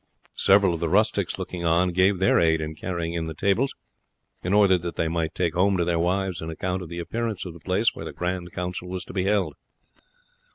Several of the rustics looking on gave their aid in carrying in the tables, in order that they might take home to their wives an account of the appearance of the place where the grand council was to be held.